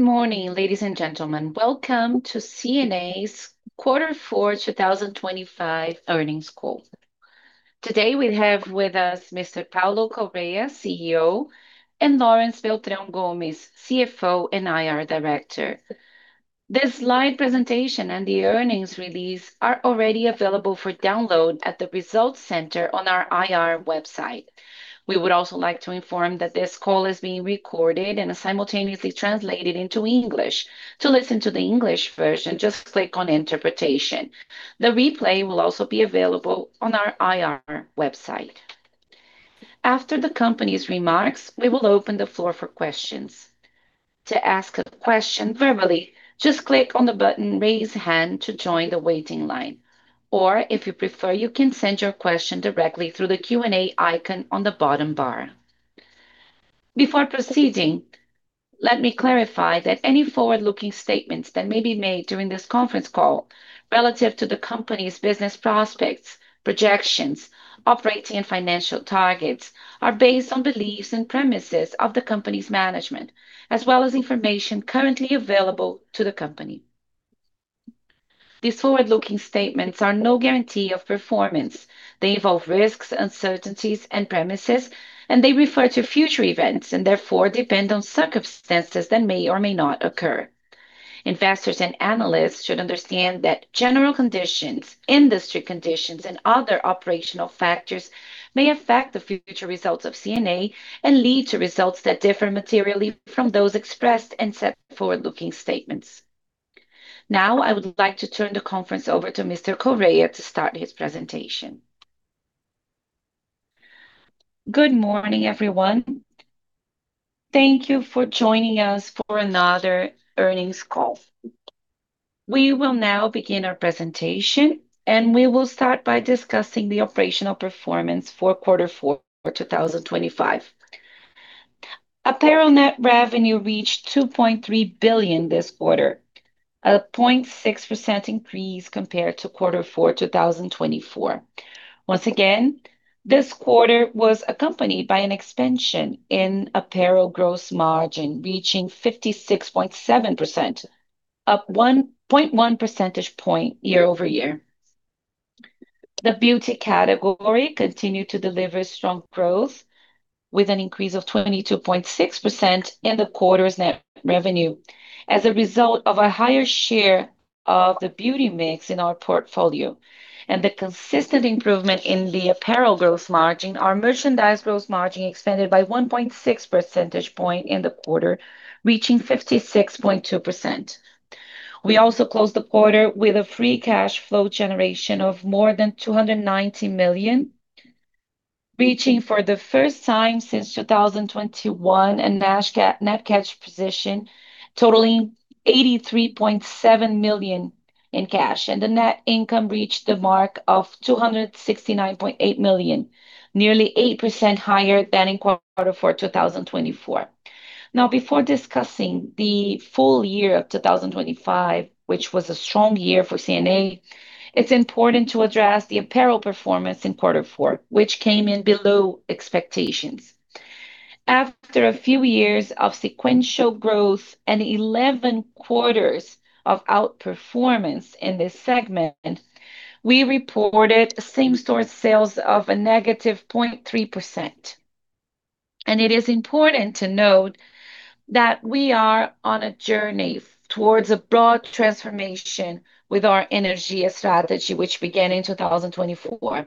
Good morning, ladies and gentlemen. Welcome to C&A's Quarter Four 2025 Earnings Call. Today, we have with us Mr. Paulo Correa, CEO, and Laurence Beltrão Gomes, CFO and IR Director. This slide presentation and the earnings release are already available for download at the Results Center on our IR website. We would also like to inform that this call is being recorded and is simultaneously translated into English. To listen to the English version, just click on Interpretation. The replay will also be available on our IR website. After the company's remarks, we will open the floor for questions. To ask a question verbally, just click on the button, Raise Hand, to join the waiting line, or if you prefer, you can send your question directly through the Q&A icon on the bottom bar. Before proceeding, let me clarify that any forward-looking statements that may be made during this conference call relative to the company's business prospects, projections, operating and financial targets, are based on beliefs and premises of the company's management, as well as information currently available to the company. These forward-looking statements are no guarantee of performance. They involve risks, uncertainties, and premises, and they refer to future events, and therefore depend on circumstances that may or may not occur. Investors and analysts should understand that general conditions, industry conditions, and other operational factors may affect the future results of C&A and lead to results that differ materially from those expressed in such forward-looking statements. Now, I would like to turn the conference over to Mr. Correa to start his presentation. Good morning, everyone. Thank you for joining us for another earnings call. We will now begin our presentation. We will start by discussing the operational performance for Quarter Four for 2025. Apparel net revenue reached 2.3 billion this quarter, a 0.6% increase compared to quarter four 2024. Once again, this quarter was accompanied by an expansion in apparel gross margin, reaching 56.7%, up 0.1 percentage point year-over-year. The beauty category continued to deliver strong growth, with an increase of 22.6% in the quarter's net revenue. As a result of a higher share of the beauty mix in our portfolio and the consistent improvement in the apparel gross margin, our merchandise gross margin expanded by 1.6 percentage point in the quarter, reaching 56.2%. We closed the quarter with a free cash flow generation of more than 290 million, reaching, for the first time since 2021, a net cash position totaling 83.7 million in cash. The net income reached the mark of 269.8 million, nearly 8% higher than in quarter four, 2024. Before discussing the full-year of 2025, which was a strong year for C&A, it's important to address the apparel performance in quarter four, which came in below expectations. After a few years of sequential growth and 11 quarters of outperformance in this segment, we reported same-store sales of a -0.3%. It is important to note that we are on a journey towards a broad transformation with our Energia strategy, which began in 2024,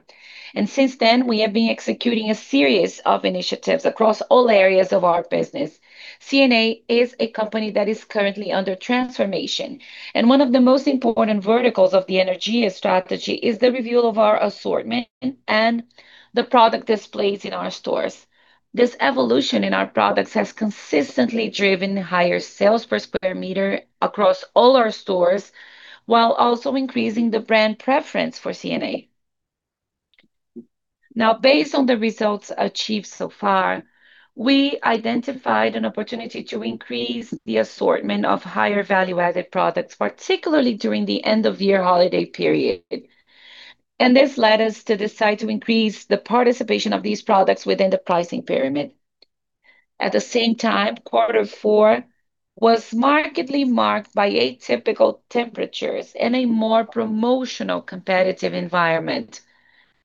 and since then, we have been executing a series of initiatives across all areas of our business. C&A is a company that is currently under transformation, and one of the most important verticals of the Energia strategy is the review of our assortment and the product displays in our stores. This evolution in our products has consistently driven higher sales per square meter across all our stores, while also increasing the brand preference for C&A. Based on the results achieved so far, we identified an opportunity to increase the assortment of higher value-added products, particularly during the end-of-year holiday period, and this led us to decide to increase the participation of these products within the pricing pyramid. At the same time, quarter four was markedly marked by atypical temperatures and a more promotional competitive environment.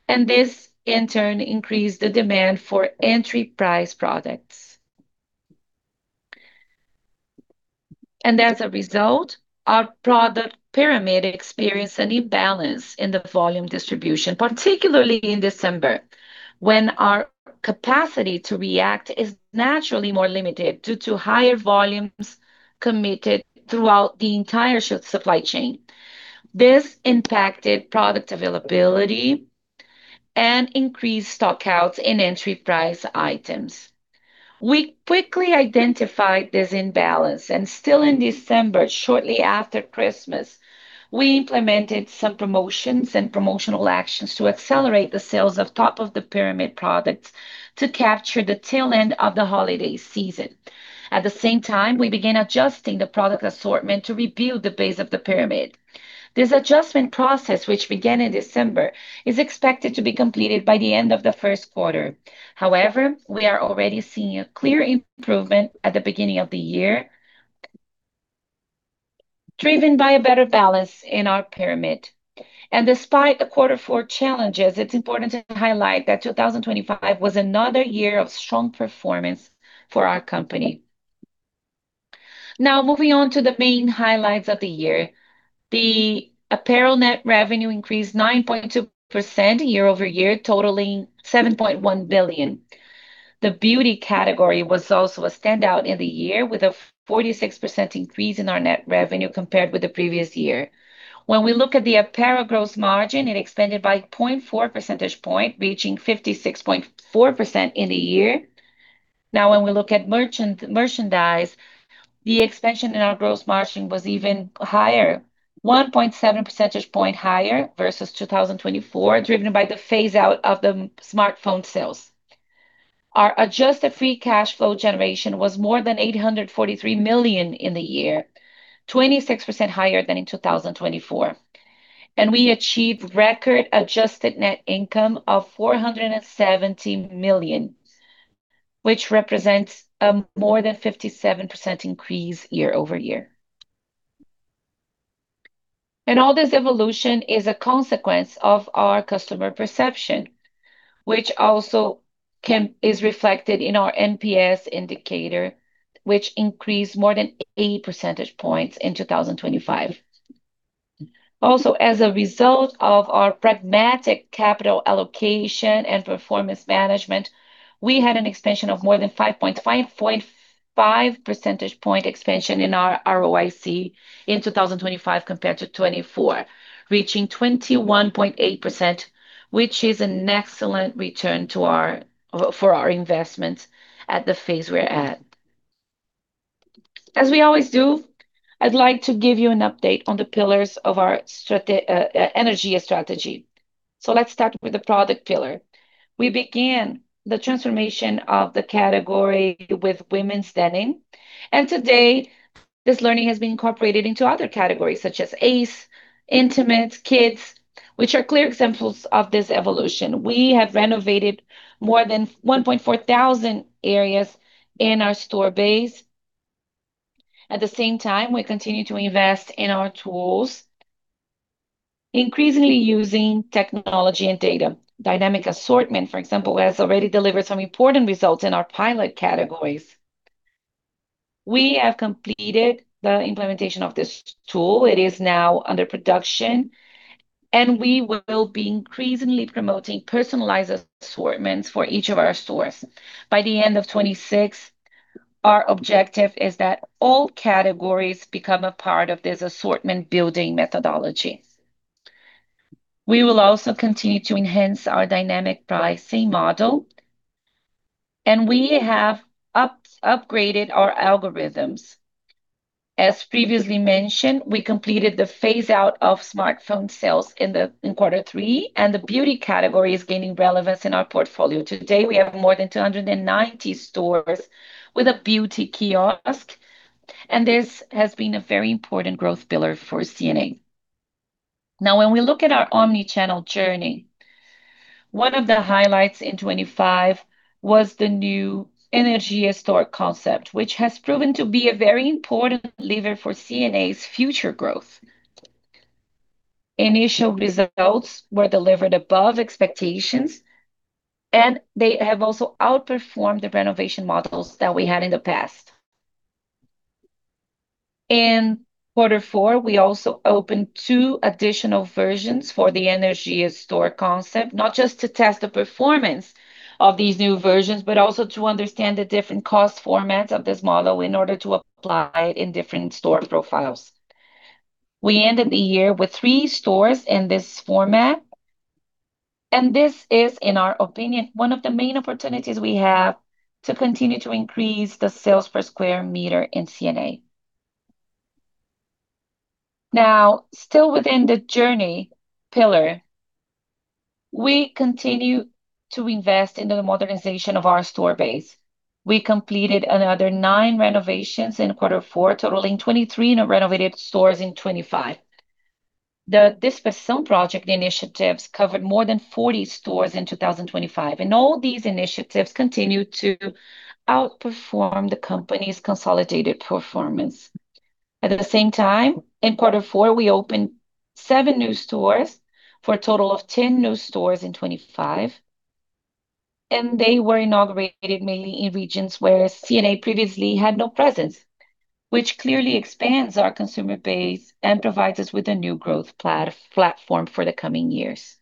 This, in turn, increased the demand for entry-price-products. As a result, our product pyramid experienced an imbalance in the volume distribution, particularly in December, when our capacity to react is naturally more limited due to higher volumes committed throughout the entire supply chain. This impacted product availability and increased stockouts in entry-price items. We quickly identified this imbalance, and still in December, shortly after Christmas, we implemented some promotions and promotional actions to accelerate the sales of top-of-the-pyramid products to capture the tail end of the holiday season. At the same time, we began adjusting the product assortment to rebuild the base of the pyramid. This adjustment process, which began in December, is expected to be completed by the end of the first quarter. However, we are already seeing a clear improvement at the beginning of the year, driven by a better balance in our pyramid. Despite the quarter four challenges, it's important to highlight that 2025 was another year of strong performance for our company. Moving on to the main highlights of the year. The apparel net revenue increased 9.2% year-over-year, totaling 7.1 billion. The beauty category was also a standout in the year, with a 46% increase in our net revenue compared with the previous year. When we look at the apparel gross margin, it expanded by 0.4 percentage point, reaching 56.4% in the year. When we look at merchandise, the expansion in our gross margin was even higher, 1.7 percentage points higher versus 2024, driven by the phase-out of the smartphone sales. Our adjusted free cash flow generation was more than 843 million in the year, 26% higher than in 2024, and we achieved record adjusted net income of 470 million, which represents more than 57% increase year-over-year. All this evolution is a consequence of our customer perception, which also is reflected in our NPS indicator, which increased more than 8 percentage points in 2025. As a result of our pragmatic capital allocation and performance management, we had an expansion of more than 5.5 percentage point expansion in our ROIC in 2025 compared to 2024, reaching 21.8%, which is an excellent return for our investments at the phase we're at. As we always do, I'd like to give you an update on the pillars of our Energia strategy. Let's start with the product pillar. We began the transformation of the category with women's denim, and today, this learning has been incorporated into other categories such as ACE, Intimates, Kids, which are clear examples of this evolution. We have renovated more than 1,400 areas in our store base. At the same time, we continue to invest in our tools, increasingly using technology and data. Dynamic assortment, for example, has already delivered some important results in our pilot categories. We have completed the implementation of this tool. It is now under production, and we will be increasingly promoting personalized assortments for each of our stores. By the end of 2026, our objective is that all categories become a part of this assortment building methodology. We will also continue to enhance our dynamic pricing model, and we have upgraded our algorithms. As previously mentioned, we completed the phase-out of smartphone sales in quarter three, and the beauty category is gaining relevance in our portfolio. Today, we have more than 290 stores with a beauty kiosk, and this has been a very important growth pillar for C&A. When we look at our omnichannel journey, one of the highlights in 2025 was the new Energia store concept, which has proven to be a very important lever for C&A's future growth. Initial results were delivered above expectations, and they have also outperformed the renovation models that we had in the past. In quarter four, we also opened two additional versions for the Energia store concept, not just to test the performance of these new versions, but also to understand the different cost formats of this model in order to apply it in different store profiles. We ended the year with three stores in this format, and this is, in our opinion, one of the main opportunities we have to continue to increase the sales per square meter in C&A. Still within the journey pillar, we continue to invest into the modernization of our store base. We completed another nine renovations in quarter four, totaling 23 in our renovated stores in 2025. The Projeto Presença initiatives covered more than 40 stores in 2025. All these initiatives continued to outperform the company's consolidated performance. At the same time, in quarter four, we opened seven new stores for a total of 10 new stores in 2025. They were inaugurated mainly in regions where C&A previously had no presence, which clearly expands our consumer base and provides us with a new growth platform for the coming years.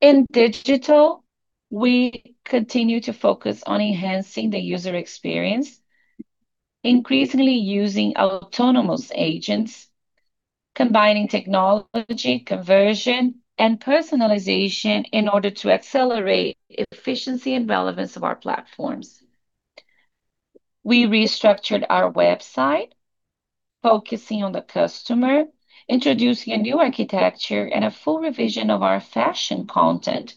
In digital, we continue to focus on enhancing the user experience, increasingly using autonomous agents, combining technology, conversion, and personalization in order to accelerate efficiency and relevance of our platforms. We restructured our website, focusing on the customer, introducing a new architecture and a full revision of our fashion content.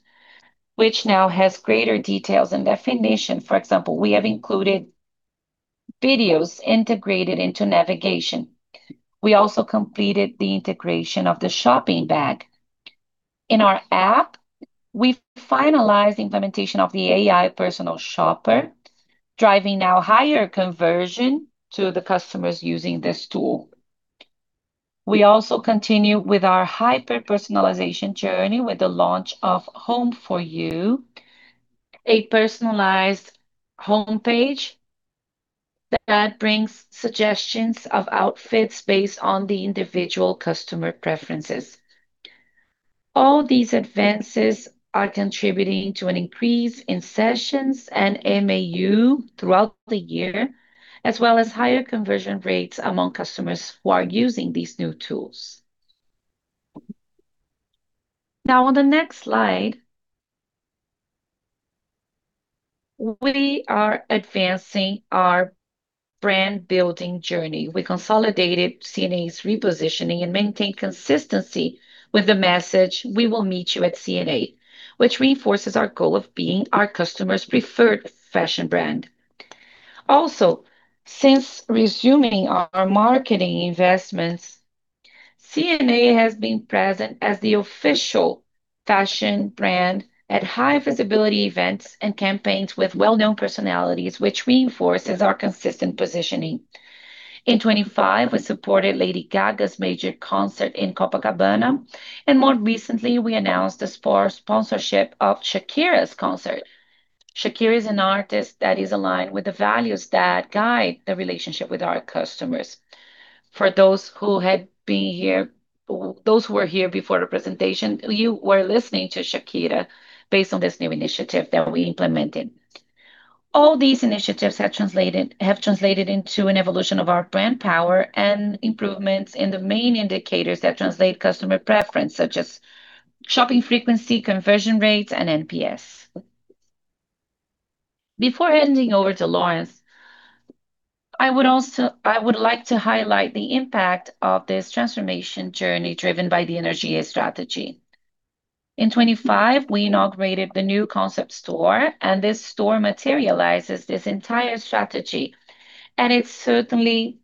which now has greater details and definition. For example, we have included videos integrated into navigation. We also completed the integration of the shopping bag. In our app, we finalized the implementation of the AI personal shopper, driving now higher conversion to the customers using this tool. We also continue with our hyper-personalization journey with the launch of Home For You, a personalized homepage that brings suggestions of outfits based on the individual customer preferences. All these advances are contributing to an increase in sessions and MAU throughout the year, as well as higher conversion rates among customers who are using these new tools. Now, on the next slide, we are advancing our brand-building journey. We consolidated C&A's repositioning and maintained consistency with the message, "We will meet you at C&A," which reinforces our goal of being our customers' preferred fashion brand. Since resuming our marketing investments, C&A has been present as the official fashion brand at high-visibility events and campaigns with well-known personalities, which reinforces our consistent positioning. In 2025, we supported Lady Gaga's major concert in Copacabana. More recently, we announced the sponsorship of Shakira's concert. Shakira is an artist that is aligned with the values that guide the relationship with our customers. For those who had been here, those who were here before the presentation, you were listening to Shakira based on this new initiative that we implemented. All these initiatives have translated into an evolution of our brand power and improvements in the main indicators that translate customer preference, such as shopping frequency, conversion rates, and NPS. Before handing over to Laurence, I would like to highlight the impact of this transformation journey driven by the Energia strategy. In 2025, we inaugurated the new concept store, and this store materializes this entire strategy, and it certainly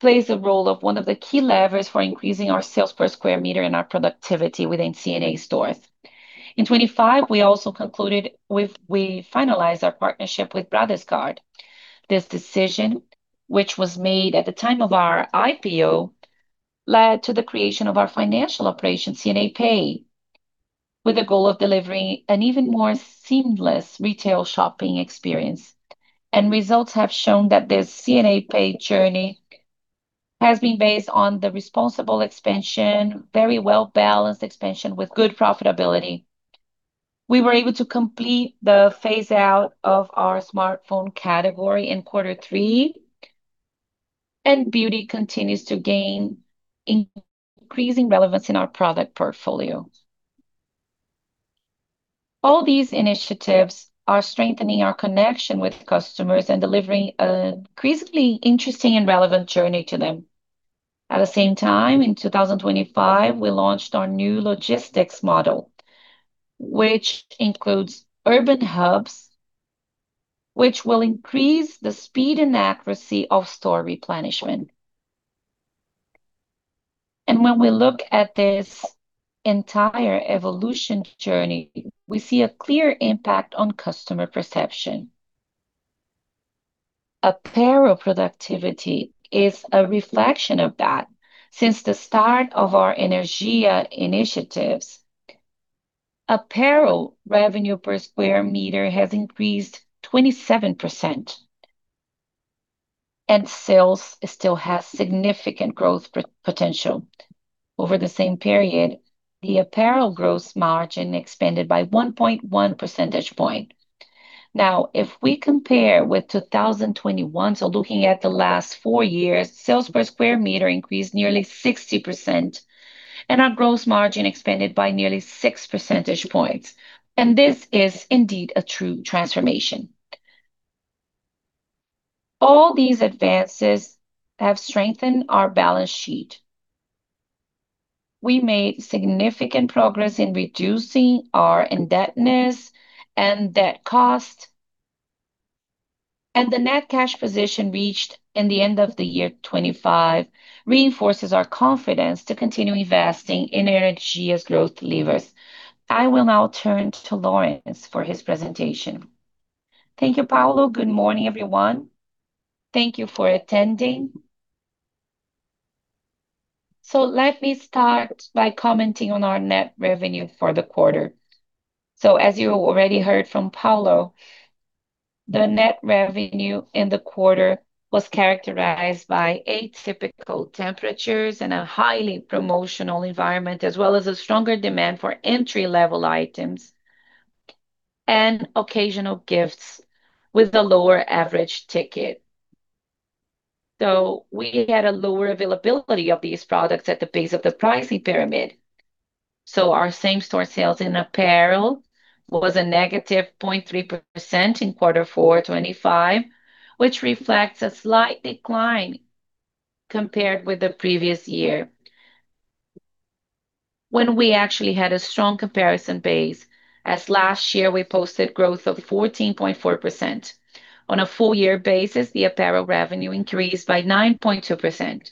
plays a role of one of the key levers for increasing our sales per square meter and our productivity within C&A stores. In 2025, we also finalized our partnership with Bradescard. This decision, which was made at the time of our IPO, led to the creation of our financial operation, C&A Pay, with the goal of delivering an even more seamless retail shopping experience. Results have shown that this C&A Pay journey has been based on the responsible expansion, very well-balanced expansion, with good profitability. We were able to complete the phase-out of our smartphone category in quarter three, and beauty continues to gain increasing relevance in our product portfolio. All these initiatives are strengthening our connection with customers and delivering an increasingly interesting and relevant journey to them. At the same time, in 2025, we launched our new logistics model, which includes urban hubs, which will increase the speed and accuracy of store replenishment. When we look at this entire evolution journey, we see a clear impact on customer perception. Apparel productivity is a reflection of that. Since the start of our Energia initiatives, apparel revenue per square meter has increased 27%, and sales still has significant growth potential. Over the same period, the apparel gross margin expanded by 1.1 percentage point. If we compare with 2021, so looking at the last four years, sales per square meter increased nearly 60%, and our gross margin expanded by nearly 6 percentage points, and this is indeed a true transformation. All these advances have strengthened our balance sheet. We made significant progress in reducing our indebtedness and debt cost, and the net cash position reached in the end of the year 2025 reinforces our confidence to continue investing in Energia's growth levers. I will now turn to Laurence for his presentation. Thank you, Paulo. Good morning, everyone. Thank you for attending. Let me start by commenting on our net revenue for the quarter. As you already heard from Paulo, the net revenue in the quarter was characterized by atypical temperatures and a highly promotional environment, as well as a stronger demand for entry-level items and occasional gifts with a lower average ticket. We had a lower availability of these products at the base of the pricing pyramid, so our same-store sales in apparel was a -0.3% in quarter four 2025, which reflects a slight decline compared with the previous year, when we actually had a strong comparison base, as last year we posted growth of 14.4%. On a full-year basis, the apparel revenue increased by 9.2%.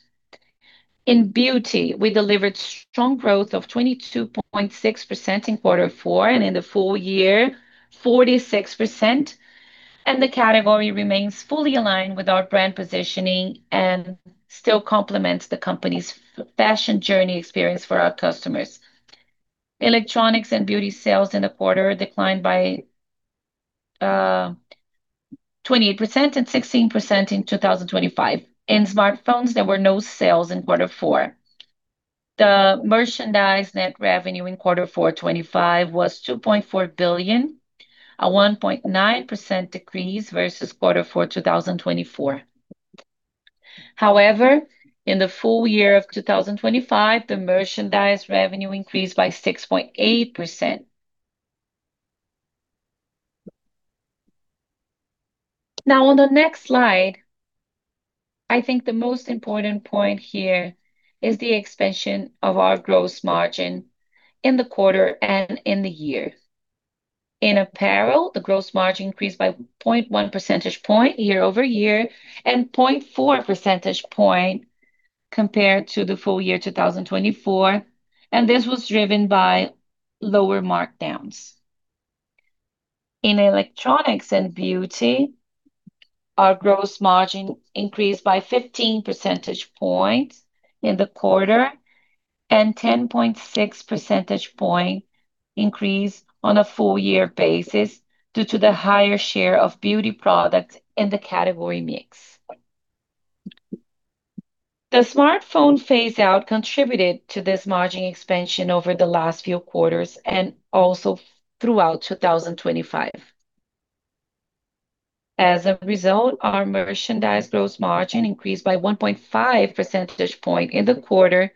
In beauty, we delivered strong growth of 22.6% in quarter four, in the full-year, 46%, and the category remains fully aligned with our brand positioning and still complements the company's fashion journey experience for our customers. Electronics and beauty sales in the quarter declined by 28% and 16% in 2025. In smartphones, there were no sales in quarter four. The merchandise net revenue in quarter four 2025 was 2.4 billion, a 1.9% decrease versus quarter four, 2024. However, in the full-year of 2025, the merchandise revenue increased by 6.8%. On the next slide, I think the most important point here is the expansion of our gross margin in the quarter and in the year. In apparel, the gross margin increased by 0.1 percentage point year-over-year, and 0.4 percentage point compared to the full-year 2024, and this was driven by lower markdowns. In electronics and beauty, our gross margin increased by 15 percentage points in the quarter, and 10.6 percentage point increase on a full-year basis due to the higher share of beauty products in the category mix. The smartphone phase-out contributed to this margin expansion over the last few quarters and also throughout 2025. As a result, our merchandise gross margin increased by 1.5 percentage point in the quarter,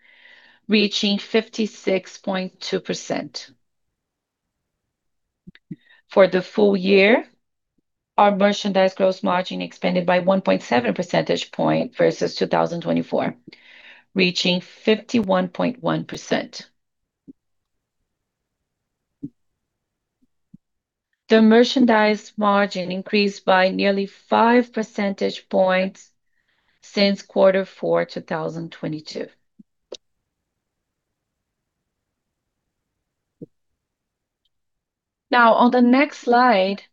reaching 56.2%. For the full-year, our merchandise gross margin expanded by 1.7 percentage point versus 2024, reaching 51.1%. The merchandise margin increased by nearly 5 percentage points since quarter four 2022. On the next slide,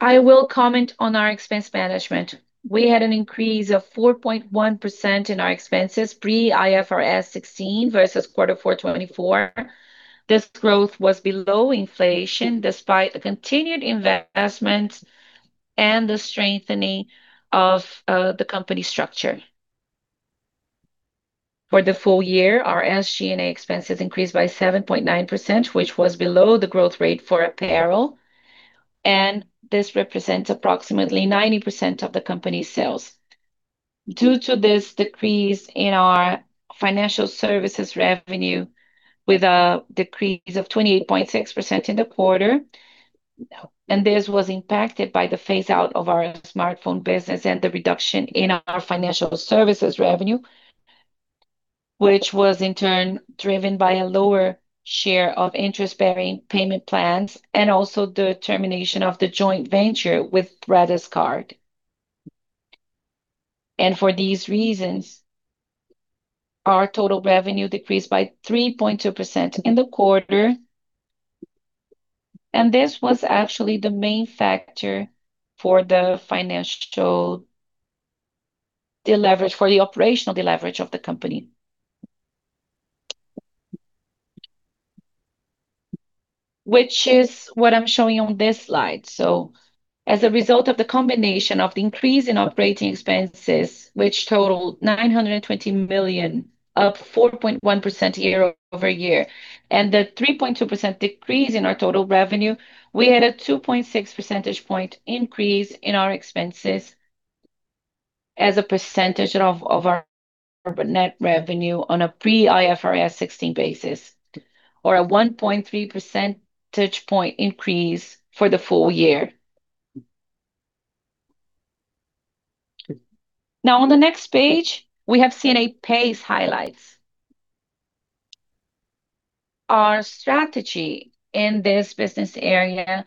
I will comment on our expense management. We had an increase of 4.1% in our expenses, pre-IFRS 16 versus quarter four 2024. This growth was below inflation, despite the continued investments and the strengthening of the company structure. For the full-year, our SG&A expenses increased by 7.9%, which was below the growth rate for apparel, and this represents approximately 90% of the company's sales. Due to this decrease in our financial services revenue, with a decrease of 28.6% in the quarter. This was impacted by the phase-out of our smartphone business and the reduction in our financial services revenue, which was in turn driven by a lower share of interest-bearing payment plans, also the termination of the joint venture with Bradesco Card. For these reasons, our total revenue decreased by 3.2% in the quarter. This was actually the main factor for the operational deleverage of the company. Which is what I'm showing on this slide. As a result of the combination of the increase in operating expenses, which totaled 920 million, up 4.1% year-over-year, and the 3.2% decrease in our total revenue, we had a 2.6 percentage point increase in our expenses as a percentage of our net revenue on a pre-IFRS 16 basis, or a 1.3 percentage point increase for the full-year. On the next page, we have C&A Pay highlights. Our strategy in this business area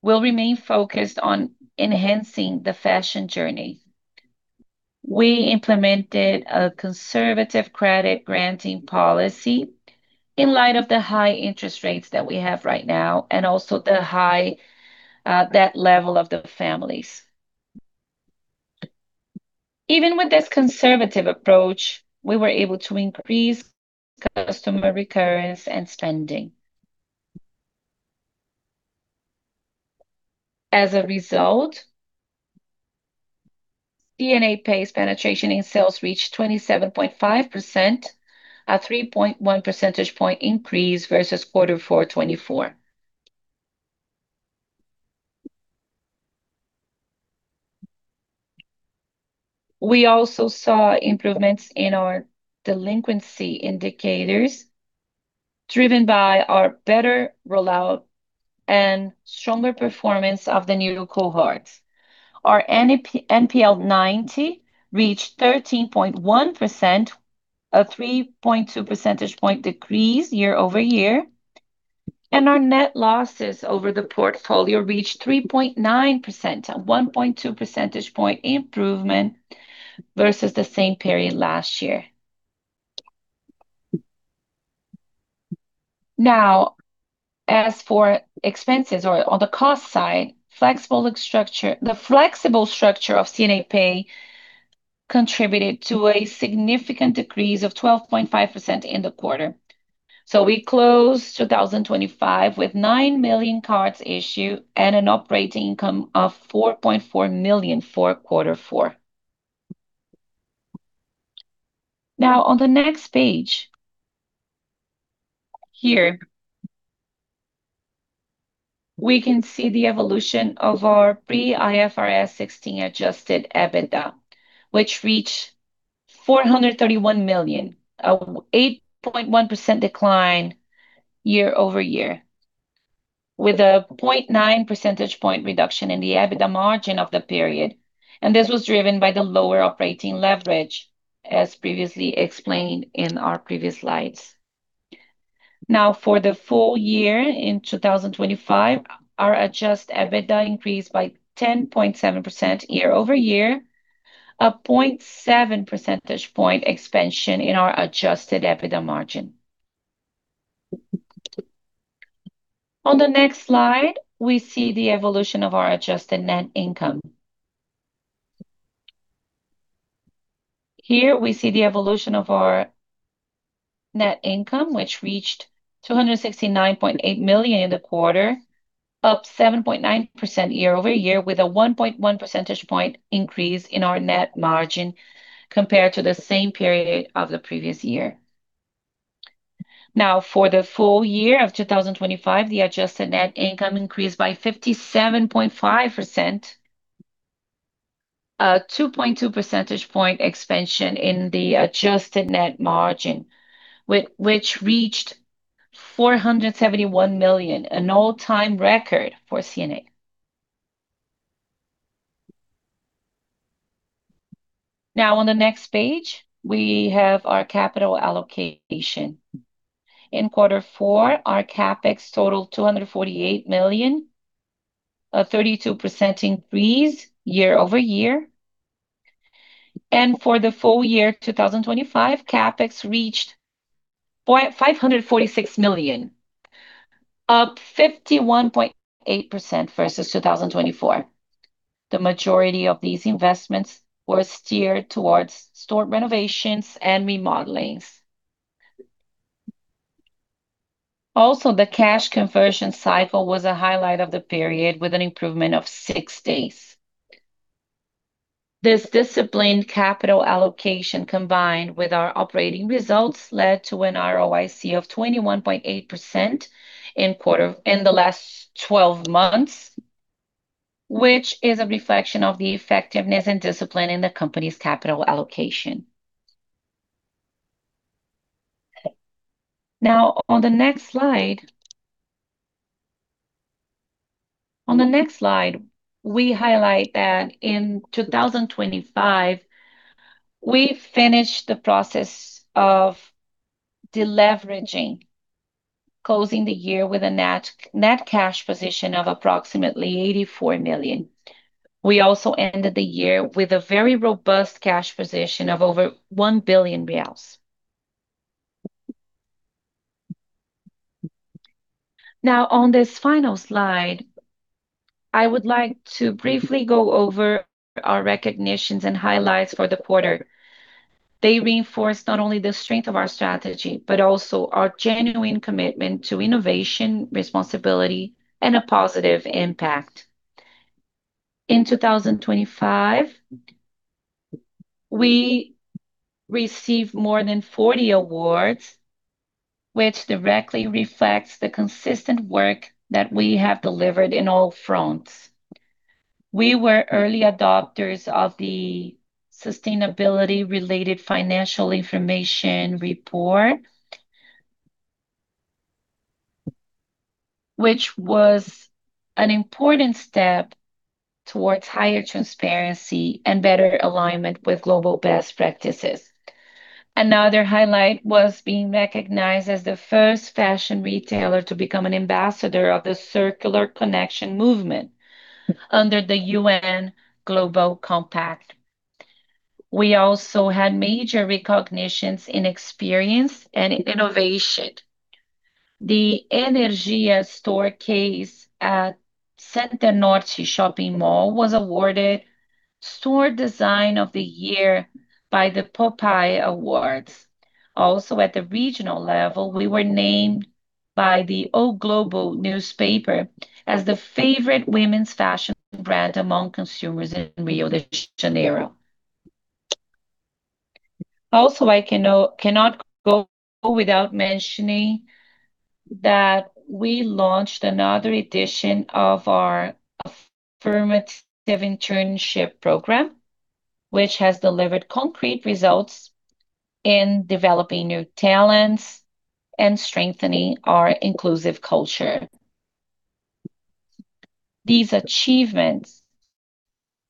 will remain focused on enhancing the fashion journey. We implemented a conservative credit granting policy in light of the high interest rates that we have right now and also the high debt level of the families. Even with this conservative approach, we were able to increase customer recurrence and spending. As a result, C&A Pay penetration in sales reached 27.5%, a 3.1 percentage point increase versus quarter four 2024. We also saw improvements in our delinquency indicators, driven by our better rollout and stronger performance of the new cohorts. Our NPL 90 reached 13.1%, a 3.2 percentage point decrease year-over-year, and our net losses over the portfolio reached 3.9%, a 1.2 percentage point improvement versus the same period last year. As for expenses or on the cost side, the flexible structure of C&A Pay contributed to a significant decrease of 12.5% in the quarter. We closed 2025 with 9 million cards issued and an operating income of 4.4 million for quarter four. On the next page, here, we can see the evolution of our pre-IFRS 16 Adjusted EBITDA, which reached 431 million, an 8.1% decline year-over-year, with a 0.9 percentage point reduction in the EBITDA margin of the period, and this was driven by the lower operating leverage, as previously explained in our previous slides. For the full-year in 2025, our adjusted EBITDA increased by 10.7% year-over-year, a 0.7 percentage point expansion in our adjusted EBITDA margin. On the next slide, we see the evolution of our adjusted net income. Here we see the evolution of our net income, which reached 269.8 million in the quarter, up 7.9% year-over-year, with a 1.1 percentage point increase in our net margin compared to the same period of the previous year. For the full-year of 2025, the adjusted net income increased by 57.5%, a 2.2 percentage point expansion in the adjusted net margin, which reached 471 million, an all-time record for C&A. On the next page, we have our capital allocation. In quarter four, our CapEx totaled 248 million, a 32% increase year-over-year. For the full-year, 2025, CapEx reached 546 million, up 51.8% versus 2024. The majority of these investments were steered towards store renovations and remodelings. The cash conversion cycle was a highlight of the period, with an improvement of six days. This disciplined capital allocation, combined with our operating results, led to an ROIC of 21.8% in the last 12 months, which is a reflection of the effectiveness and discipline in the company's capital allocation. On the next slide, we highlight that in 2025, we finished the process of deleveraging, closing the year with a net cash position of approximately 84 million. We also ended the year with a very robust cash position of over 1 billion reais. On this final slide, I would like to briefly go over our recognitions and highlights for the quarter. They reinforce not only the strength of our strategy, but also our genuine commitment to innovation, responsibility, and a positive impact. In 2025, we received more than 40 awards, which directly reflects the consistent work that we have delivered in all fronts. We were early adopters of the sustainability-related financial information report, which was an important step towards higher transparency and better alignment with global best practices. Another highlight was being recognized as the first fashion retailer to become an ambassador of the Circular Connection movement under the UN Global Compact. We also had major recognitions in experience and in innovation. The Energia store case at Center Norte Shopping Mall was awarded Store Design of the Year by the POPAI Awards. At the regional level, we were named by the O Globo newspaper as the favorite women's fashion brand among consumers in Rio de Janeiro. Also, I cannot go without mentioning that we launched another edition of our affirmative internship program, which has delivered concrete results in developing new talents and strengthening our inclusive culture. These achievements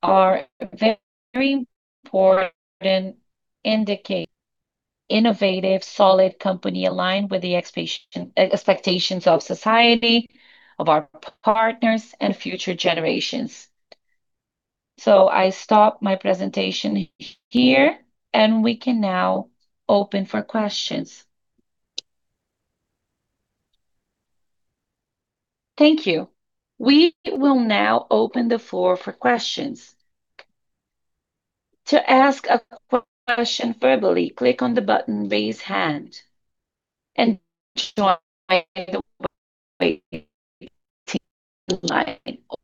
are very important indicator, innovative, solid company aligned with the expectations of society, of our partners, and future generations. I stop my presentation here, and we can now open for questions. Thank you. We will now open the floor for questions. To ask a question verbally, click on the button, Raise Hand, and join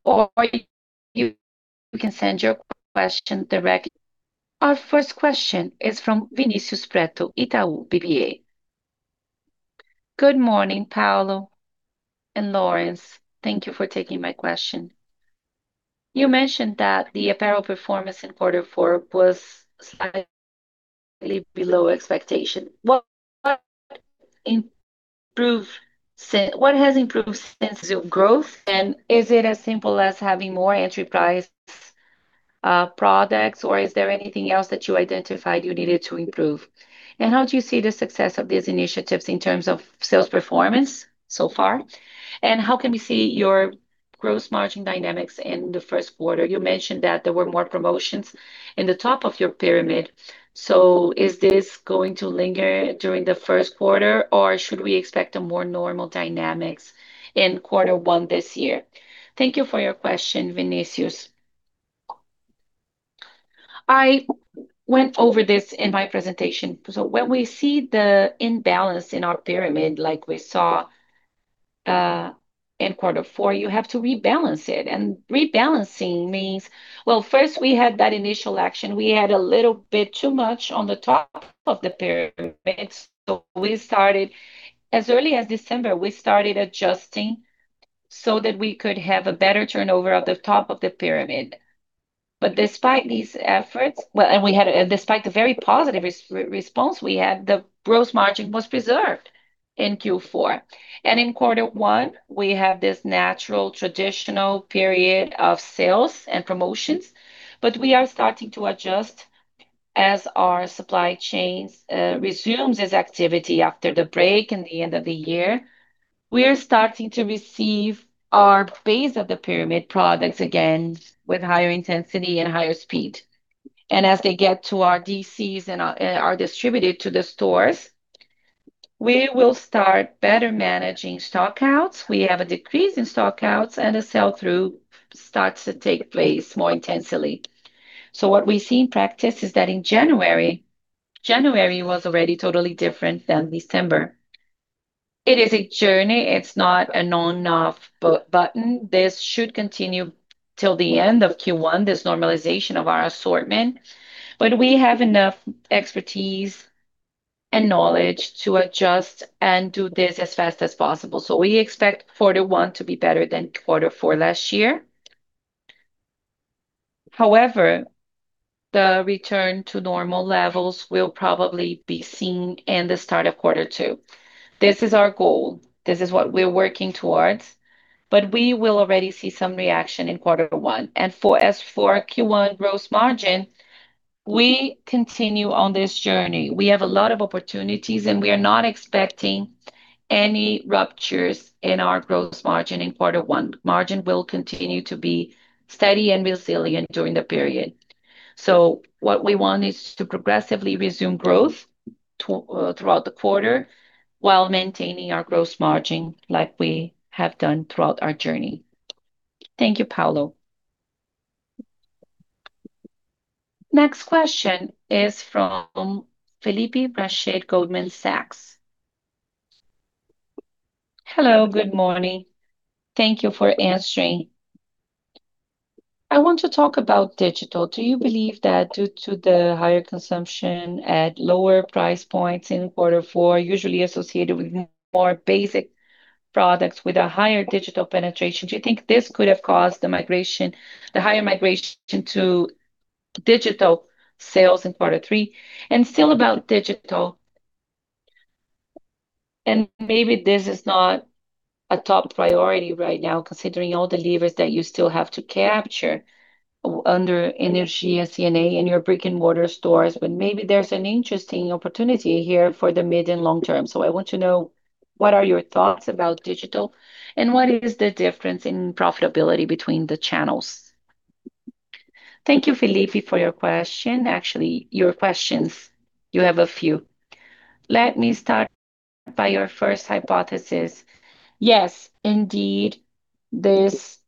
or you can send your question directly. Our first question is from Vinicius Pretto, Itaú BBA. Good morning, Paulo and Laurence. Thank you for taking my question. You mentioned that the apparel performance in quarter four was slightly below expectation. What has improved since your growth, is it as simple as having more entry-price-products, or is there anything else that you identified you needed to improve? How do you see the success of these initiatives in terms of sales performance so far, and how can we see your gross margin dynamics in the first quarter? You mentioned that there were more promotions in the top of your pyramid. Is this going to linger during the first quarter, or should we expect a more normal dynamics in quarter one this year? Thank you for your question, Vinicius. I went over this in my presentation. When we see the imbalance in our pyramid, like we saw in quarter four, you have to rebalance it, and rebalancing means... Well, first we had that initial action. We had a little bit too much on the top of the pyramid, so we started, as early as December, we started adjusting so that we could have a better turnover at the top of the pyramid. Despite these efforts, well, despite the very positive response we had, the gross margin was preserved in Q4. In quarter one, we have this natural, traditional period of sales and promotions, but we are starting to adjust as our supply chains resumes its activity after the break in the end of the year. We are starting to receive our base of the pyramid products again with higher intensity and higher speed. As they get to our DCs and are distributed to the stores, we will start better managing stockouts. We have a decrease in stockouts, and a sell-through starts to take place more intensely. What we see in practice is that in January was already totally different than December. It is a journey. It's not an on/off button. This should continue till the end of Q1, this normalization of our assortment, but we have enough expertise and knowledge to adjust and do this as fast as possible. We expect quarter one to be better than quarter four last year. However, the return to normal levels will probably be seen in the start of quarter two. This is our goal. This is what we're working towards, but we will already see some reaction in quarter one. For as for Q1 gross margin, we continue on this journey. We have a lot of opportunities. We are not expecting any ruptures in our gross margin in quarter one. Margin will continue to be steady and resilient during the period. What we want is to progressively resume growth throughout the quarter, while maintaining our gross margin like we have done throughout our journey. Thank you, Paulo. Next question is from Felipe Rached, Goldman Sachs. Hello, good morning. Thank you for answering. I want to talk about digital. Do you believe that due to the higher consumption at lower price points in quarter four, usually associated with more basic products with a higher digital penetration, do you think this could have caused the migration, the higher migration to digital sales in quarter three? Still about digital, and maybe this is not a top priority right now, considering all the levers that you still have to capture under Energia, C&A, and your brick-and-mortar stores, but maybe there's an interesting opportunity here for the mid and long term. I want to know, what are your thoughts about digital, and what is the difference in profitability between the channels? Thank you, Felipe, for your question. Actually, your questions. You have a few. Let me start by your first hypothesis. Yes, indeed, this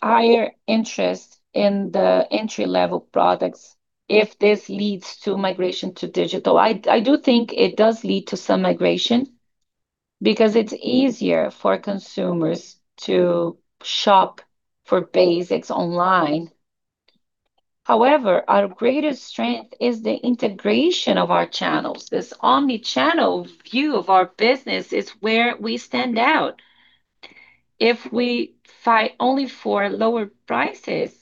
higher interest in the entry-level products, if this leads to migration to digital, I do think it does lead to some migration, because it's easier for consumers to shop for basics online. However, our greatest strength is the integration of our channels. This Omni-channel view of our business is where we stand out. If we fight only for lower prices,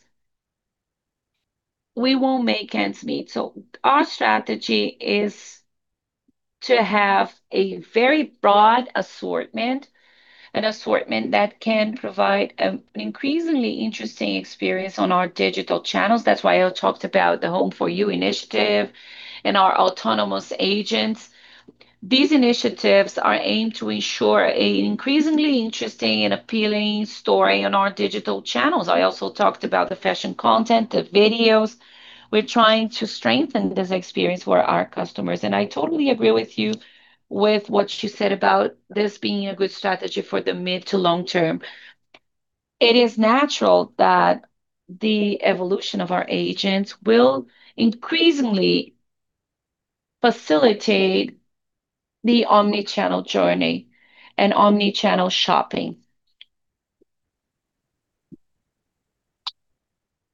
we won't make ends meet. Our strategy is to have a very broad assortment, an assortment that can provide an increasingly interesting experience on our digital channels. That's why I talked about the Home for You initiative and our autonomous agents. These initiatives are aimed to ensure a increasingly interesting and appealing story on our digital channels. I also talked about the fashion content, the videos. We're trying to strengthen this experience for our customers, and I totally agree with you with what you said about this being a good strategy for the mid-to long-term. It is natural that the evolution of our agents will increasingly facilitate the Omni-channel journey and Omni-channel shopping.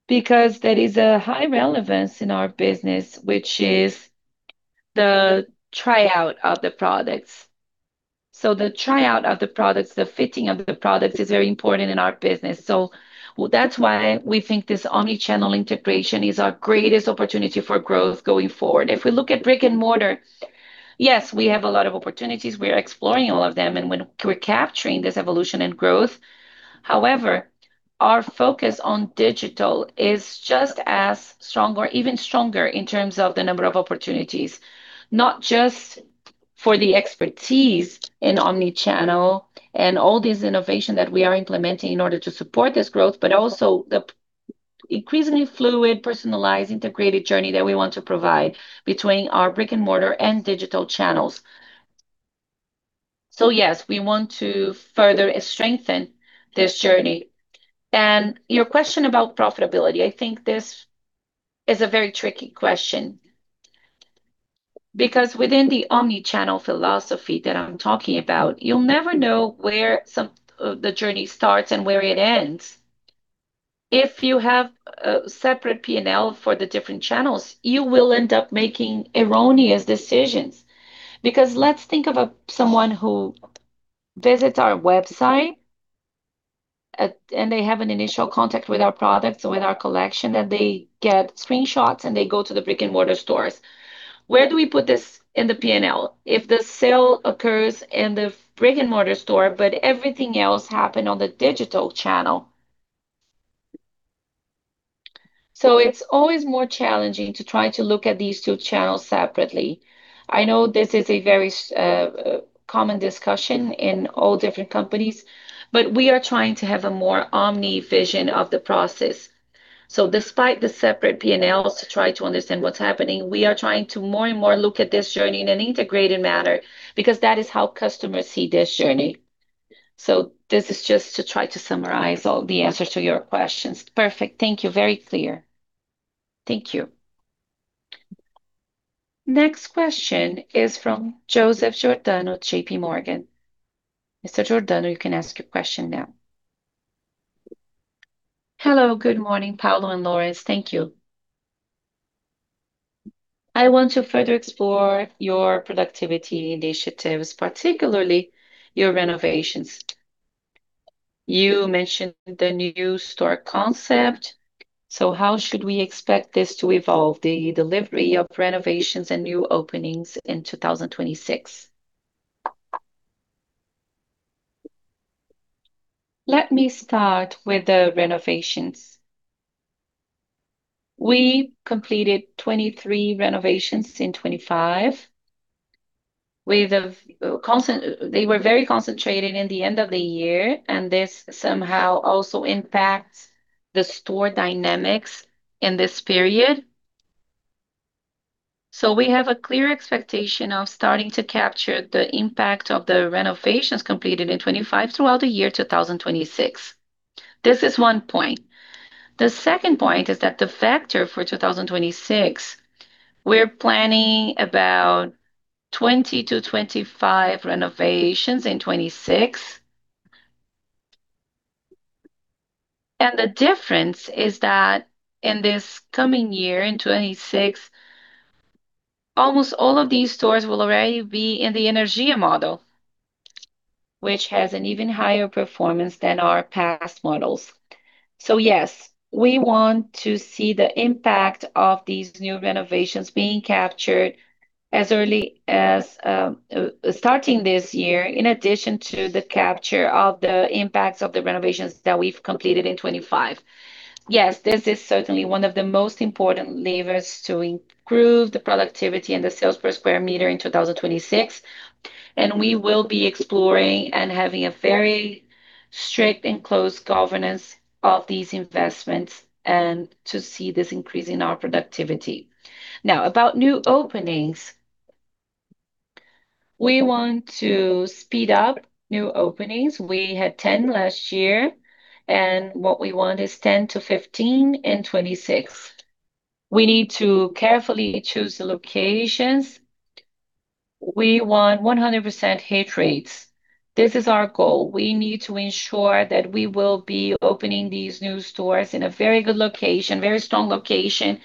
Because there is a high relevance in our business, which is the tryout of the products. The tryout of the products, the fitting of the products, is very important in our business. Well, that's why we think this Omni-channel integration is our greatest opportunity for growth going forward. If we look at brick-and-mortar, yes, we have a lot of opportunities. We are exploring all of them, we're capturing this evolution and growth. However, our focus on digital is just as strong or even stronger in terms of the number of opportunities, not just for the expertise in Omni-channel and all these innovation that we are implementing in order to support this growth, but also the increasingly fluid, personalized, integrated journey that we want to provide between our brick-and-mortar and digital channels. Yes, we want to further strengthen this journey. Your question about profitability, I think this is a very tricky question. Within the Omni-channel philosophy that I'm talking about, you'll never know where some the journey starts and where it ends. If you have a separate P&L for the different channels, you will end up making erroneous decisions. Let's think of a someone who visits our website, and they have an initial contact with our products or with our collection, and they get screenshots, and they go to the brick-and-mortar stores. Where do we put this in the P&L? If the sale occurs in the brick-and-mortar store, but everything else happened on the digital channel. It's always more challenging to try to look at these two channels separately. I know this is a very common discussion in all different companies, we are trying to have a more omni vision of the process. Despite the separate P&Ls to try to understand what's happening, we are trying to more and more look at this journey in an integrated manner, because that is how customers see this journey. This is just to try to summarize all the answers to your questions. Perfect. Thank you. Very clear. Thank you. Next question is from Joseph Giordano, JP Morgan. Mr. Giordano, you can ask your question now. Hello, good morning, Paulo and Laurence. Thank you. I want to further explore your productivity initiatives, particularly your renovations. You mentioned the new store concept, so how should we expect this to evolve, the delivery of renovations and new openings in 2026? Let me start with the renovations. We completed 23 renovations in 2025. They were very concentrated in the end of the year, and this somehow also impacts the store dynamics in this period. We have a clear expectation of starting to capture the impact of the renovations completed in 2025 throughout the year 2026. This is one point. The second point is that the factor for 2026, we're planning about 20-25 renovations in 2026. The difference is that in this coming year, in 2026, almost all of these stores will already be in the Energia model, which has an even higher performance than our past models. Yes, we want to see the impact of these new renovations being captured as early as starting this year, in addition to the capture of the impacts of the renovations that we've completed in 25. Yes, this is certainly one of the most important levers to improve the productivity and the sales per square meter in 2026. We will be exploring and having a very strict and close governance of these investments to see this increase in our productivity. Now, about new openings, we want to speed up new openings. We had 10 last year. What we want is 10-15 in 2026. We need to carefully choose the locations. We want 100% hit rates. This is our goal. We need to ensure that we will be opening these new stores in a very good location, very strong location,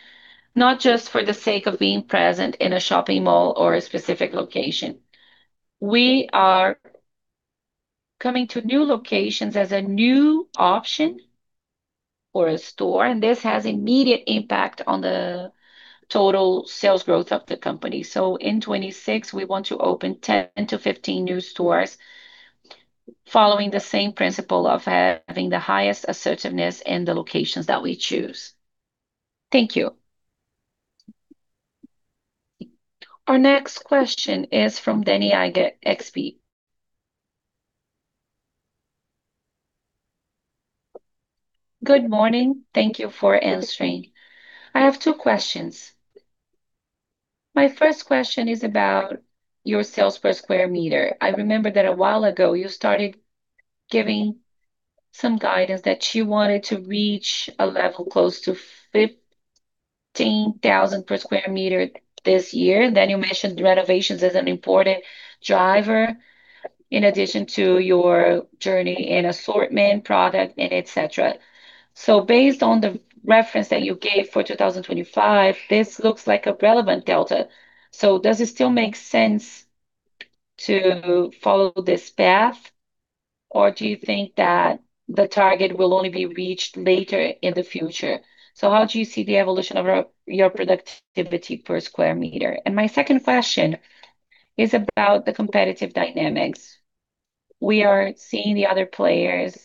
not just for the sake of being present in a shopping mall or a specific location. We are coming to new locations as a new option for a store, this has immediate impact on the total sales growth of the company. In 2026, we want to open 10-15 new stores, following the same principle of having the highest assertiveness in the locations that we choose. Thank you. Our next question is from Danniela Eiger, XP. Good morning. Thank you for answering. I have two questions. My first question is about your sales per square meter. I remember that a while ago you started giving some guidance that you wanted to reach a level close to 15,000 per square meter this year. You mentioned renovations is an important driver, in addition to your journey and assortment, product, and et cetera. Based on the reference that you gave for 2025, this looks like a relevant delta. Does it still make sense to follow this path, or do you think that the target will only be reached later in the future? How do you see the evolution of your productivity per square meter? My second question is about the competitive dynamics. We are seeing the other players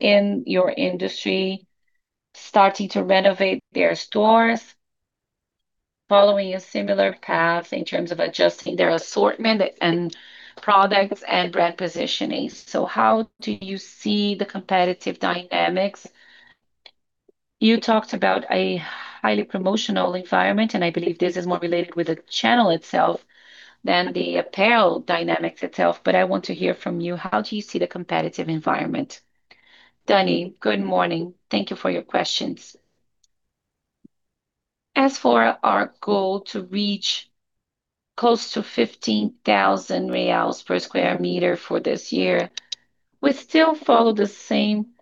in your industry starting to renovate their stores, following a similar path in terms of adjusting their assortment and products and brand positioning. How do you see the competitive dynamics? You talked about a highly promotional environment, and I believe this is more related with the channel itself than the apparel dynamics itself, but I want to hear from you, how do you see the competitive environment? Danny, good morning. Thank you for your questions. As for our goal to reach close to 15,000 reais per square meter for this year, we still follow the same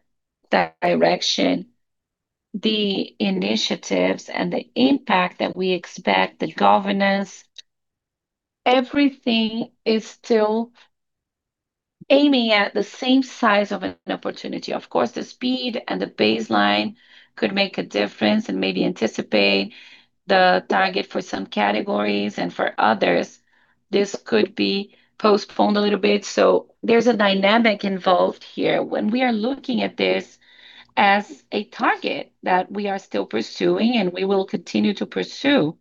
direction, the initiatives and the impact that we expect, the governance, everything is still aiming at the same size of an opportunity. Of course, the speed and the baseline could make a difference and maybe anticipate the target for some categories, and for others, this could be postponed a little bit. There's a dynamic involved here. When we are looking at this as a target that we are still pursuing, and we will continue to pursue,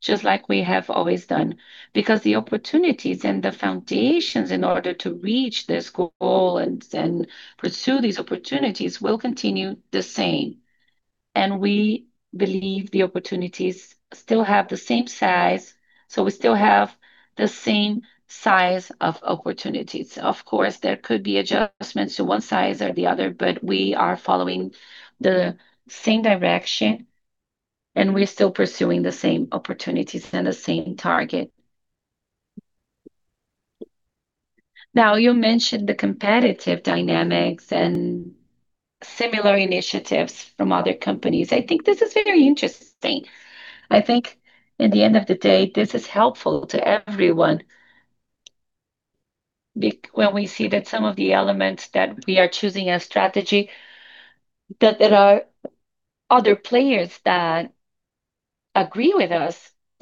just like we have always done, because the opportunities and the foundations in order to reach this goal and then pursue these opportunities will continue the same, and we believe the opportunities still have the same size, so we still have the same size of opportunities. Of course, there could be adjustments to one size or the other, but we are following the same direction, and we're still pursuing the same opportunities and the same target. You mentioned the competitive dynamics and similar initiatives from other companies. This is very interesting. In the end of the day, this is helpful to everyone, when we see that some of the elements that we are choosing as strategy, that there are other players that agree with us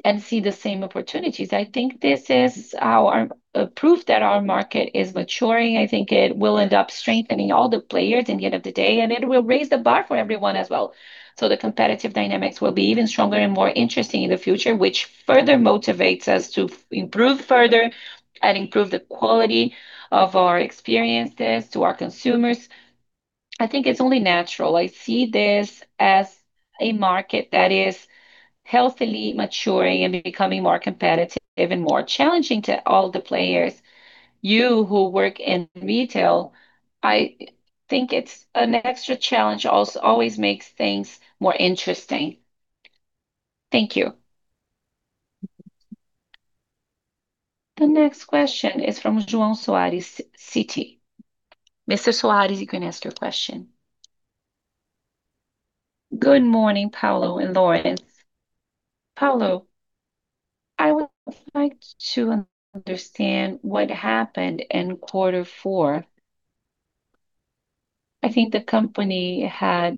and see the same opportunities. This is our proof that our market is maturing. It will end up strengthening all the players in the end of the day, and it will raise the bar for everyone as well. The competitive dynamics will be even stronger and more interesting in the future, which further motivates us to improve further and improve the quality of our experiences to our consumers. I think it's only natural. I see this as a market that is healthily maturing and becoming more competitive and more challenging to all the players. You who work in retail, I think it's an extra challenge, also always makes things more interesting. Thank you. The next question is from João Soares, Citi. Mr. Soares, you can ask your question. Good morning, Paulo and Laurence. Paulo, I would like to understand what happened in quarter four. I think the company had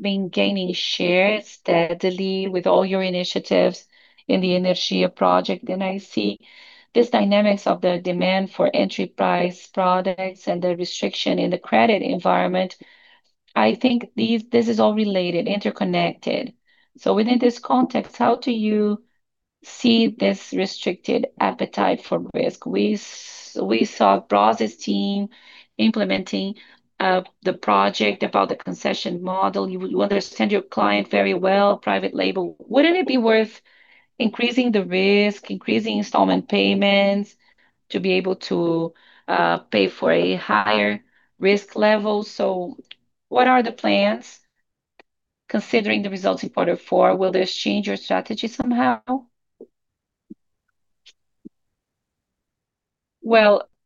been gaining shares steadily with all your initiatives in the Energia project, and I see these dynamics of the demand for entry-price-products and the restriction in the credit environment. I think this is all related, interconnected. Within this context, how do you see this restricted appetite for risk? We saw Bradesco's team implementing the project about the concession model. You understand your client very well, private label. Wouldn't it be worth increasing the risk, increasing installment payments to be able to pay for a higher risk level. What are the plans considering the results in quarter four? Will this change your strategy somehow?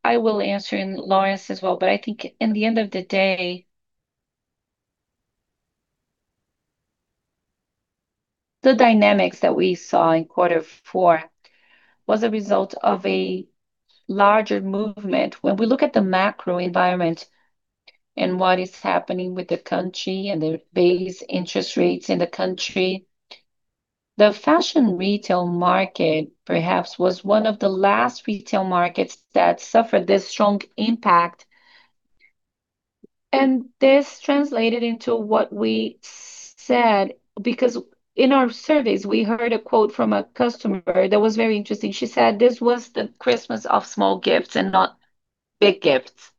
I will answer, and Laurence as well, but I think in the end of the day, the dynamics that we saw in quarter four was a result of a larger movement. When we look at the macro environment and what is happening with the country and the base interest rates in the country, the fashion retail market perhaps was one of the last retail markets that suffered this strong impact, and this translated into what we said. In our surveys, we heard a quote from a customer that was very interesting. She said, "This was the Christmas of small gifts and not big gifts."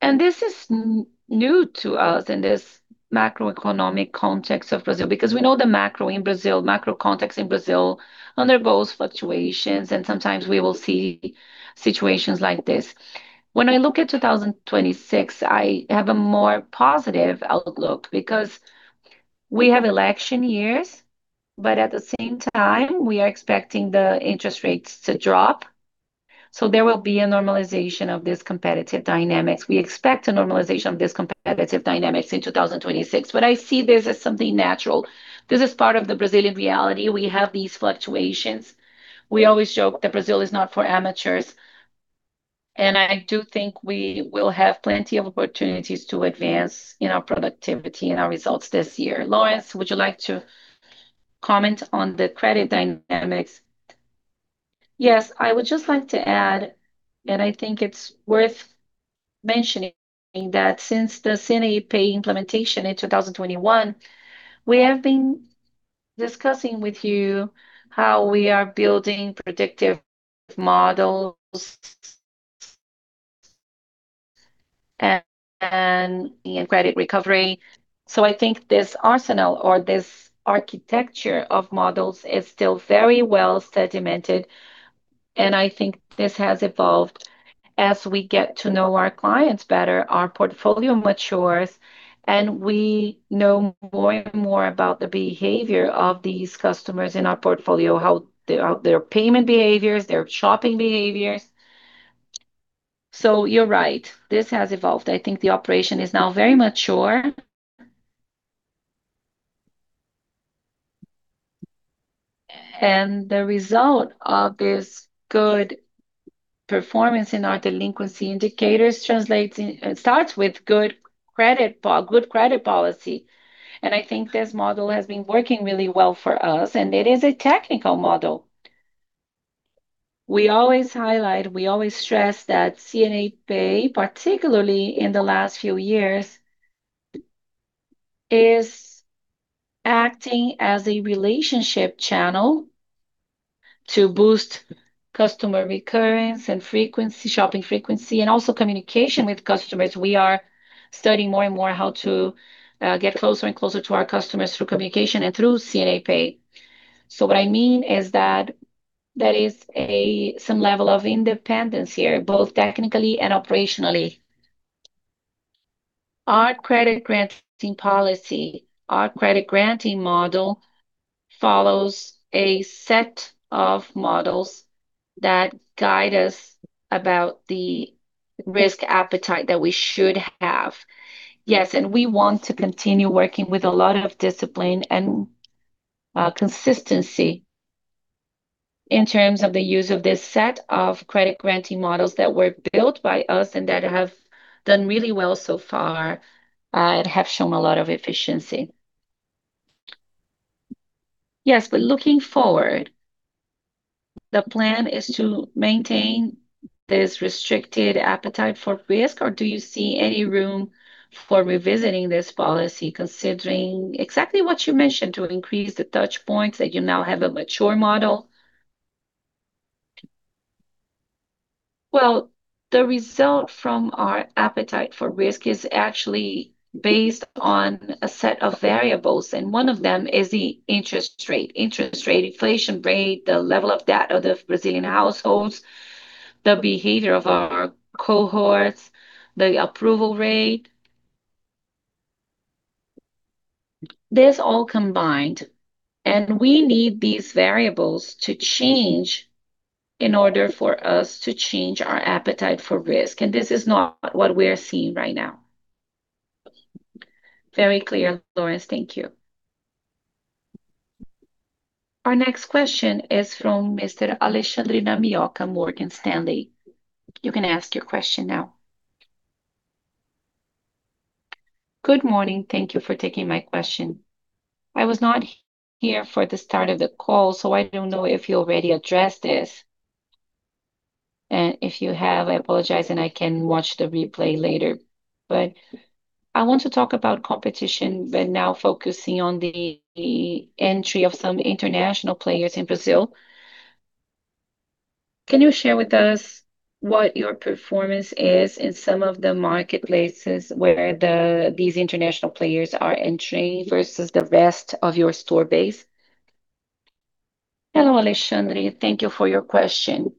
This is new to us in this macroeconomic context of Brazil, because we know the macro in Brazil, macro context in Brazil undergoes fluctuations, and sometimes we will see situations like this. When I look at 2026, I have a more positive outlook, because we have election years, but at the same time, we are expecting the interest rates to drop, so there will be a normalization of this competitive dynamics. We expect a normalization of this competitive dynamics in 2026. I see this as something natural. This is part of the Brazilian reality. We have these fluctuations. We always joke that Brazil is not for amateurs, and I do think we will have plenty of opportunities to advance in our productivity and our results this year. Laurence, would you like to comment on the credit dynamics? Yes, I would just like to add, and I think it's worth mentioning, that since the C&A Pay implementation in 2021, we have been discussing with you how we are building predictive models and credit recovery. I think this arsenal or this architecture of models is still very well sedimented, and I think this has evolved. As we get to know our clients better, our portfolio matures, and we know more and more about the behavior of these customers in our portfolio, their payment behaviors, their shopping behaviors. You're right, this has evolved. I think the operation is now very mature. The result of this good performance in our delinquency indicators translates, starts with good credit policy, and I think this model has been working really well for us, and it is a technical model. We always highlight, we always stress that C&A Pay, particularly in the last few years, is acting as a relationship channel to boost customer recurrence and frequency, shopping frequency, and also communication with customers. We are studying more and more how to get closer and closer to our customers through communication and through C&A Pay. What I mean is that there is some level of independence here, both technically and operationally. Our credit granting policy, our credit granting model follows a set of models that guide us about the risk appetite that we should have. We want to continue working with a lot of discipline and consistency in terms of the use of this set of credit granting models that were built by us and that have done really well so far and have shown a lot of efficiency. Looking forward, the plan is to maintain this restricted appetite for risk, or do you see any room for revisiting this policy, considering exactly what you mentioned, to increase the touch points, that you now have a mature model? Well, the result from our appetite for risk is actually based on a set of variables, one of them is the interest rate. Interest rate, inflation rate, the level of debt of the Brazilian households, the behavior of our cohorts, the approval rate. This all combined, we need these variables to change in order for us to change our appetite for risk, this is not what we are seeing right now. Very clear, Laurence. Thank you. Our next question is from Mr. Alexandre Namioka, Morgan Stanley. You can ask your question now. Good morning. Thank you for taking my question. I was not here for the start of the call, I don't know if you already addressed this. If you have, I apologize, I can watch the replay later. I want to talk about competition, now focusing on the entry of some international players in Brazil. Can you share with us what your performance is in some of the marketplaces where these international players are entering versus the rest of your store base? Hello, Alexandre, thank you for your question.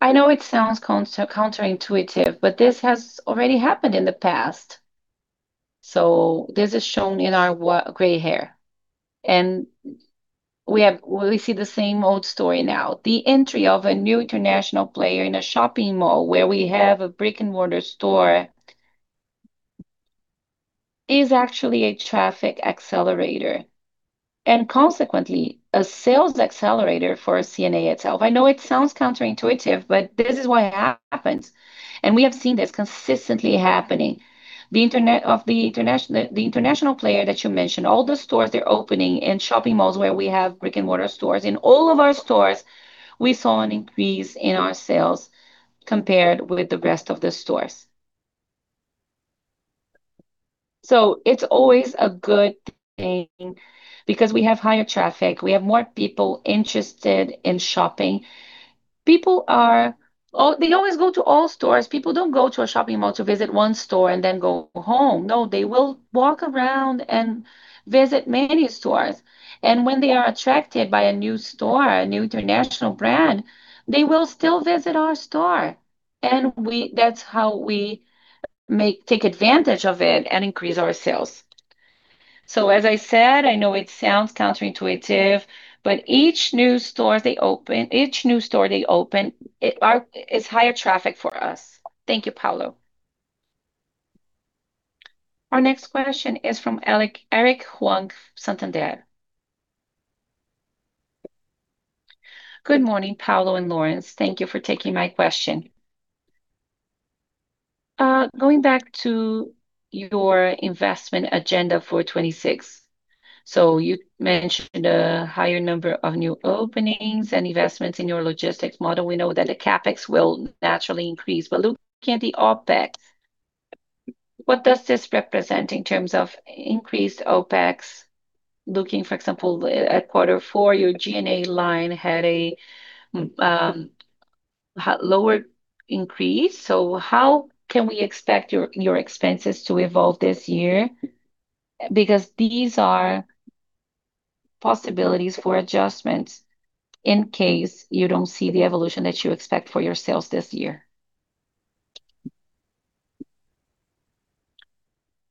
I know it sounds counterintuitive, this has already happened in the past. This is shown in our gray hair, and we see the same old story now. The entry of a new international player in a shopping mall where we have a brick-and-mortar store is actually a traffic accelerator, and consequently, a sales accelerator for C&A itself. I know it sounds counterintuitive, this is what happens, and we have seen this consistently happening. The international player that you mentioned, all the stores they're opening in shopping malls where we have brick-and-mortar stores. In all of our stores, we saw an increase in our sales compared with the rest of the stores. It's always a good thing because we have higher traffic, we have more people interested in shopping. Oh, they always go to all stores. People don't go to a shopping mall to visit one store and then go home. They will walk around and visit many stores, and when they are attracted by a new store, a new international brand, they will still visit our store, and that's how we take advantage of it and increase our sales. As I said, I know it sounds counterintuitive, each new store they open, it's higher traffic for us. Thank you, Paulo. Our next question is from Eric Huang, Santander. Good morning, Paulo and Laurence. Thank you for taking my question. Going back to your investment agenda for 2026, you mentioned a higher number of new openings and investments in your logistics model. We know that the CapEx will naturally increase, looking at the OpEx, what does this represent in terms of increased OpEx? Looking, for example, at quarter four, your G&A line had a lower increase, how can we expect your expenses to evolve this year? These are possibilities for adjustments in case you don't see the evolution that you expect for your sales this year.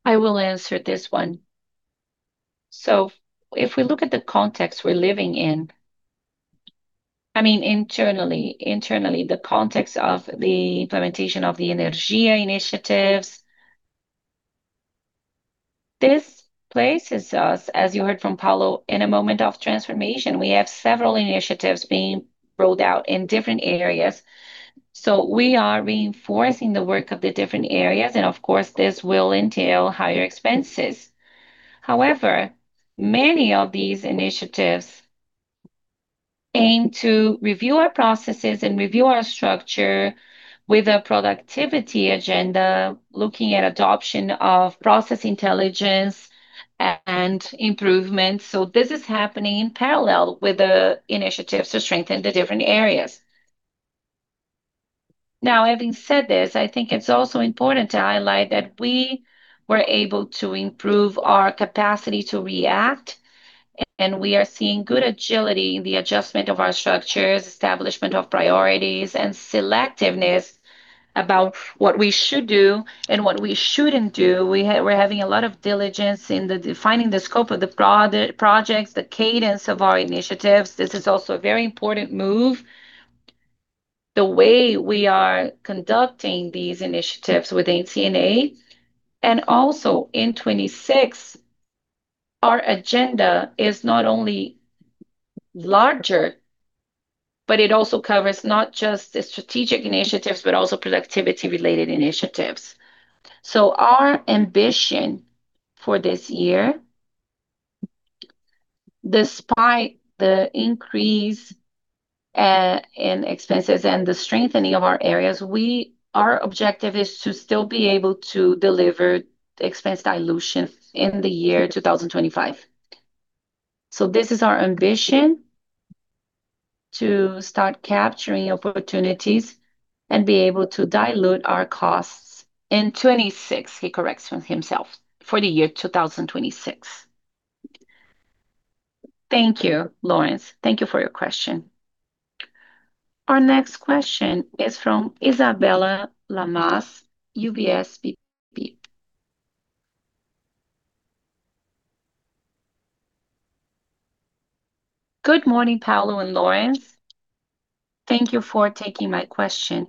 I will answer this one. If we look at the context we're living in, I mean, internally, the context of the implementation of the Energia initiatives, this places us, as you heard from Paulo, in a moment of transformation. We have several initiatives being rolled out in different areas. We are reinforcing the work of the different areas. Of course, this will entail higher expenses. However, many of these initiatives aim to review our processes and review our structure with a productivity agenda, looking at adoption of process intelligence and improvement. This is happening in parallel with the initiatives to strengthen the different areas. Having said this, I think it's also important to highlight that we were able to improve our capacity to react, and we are seeing good agility in the adjustment of our structures, establishment of priorities, and selectiveness about what we should do and what we shouldn't do. We're having a lot of diligence in the defining the scope of the projects, the cadence of our initiatives. This is also a very important move, the way we are conducting these initiatives within C&A. In 2026, our agenda is not only larger, but it also covers not just the strategic initiatives, but also productivity-related initiatives. Our ambition for this year, despite the increase in expenses and the strengthening of our areas, our objective is to still be able to deliver the expense dilution in the year 2025. This is our ambition, to start capturing opportunities and be able to dilute our costs in 2026. He corrects him, himself, for the year 2026. Thank you, Laurence. Thank you for your question. Our next question is from Isabella Lamas, UBS. Good morning, Paulo and Laurence. Thank you for taking my question.